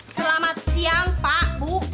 selamat siang pak bu